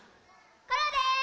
コロです。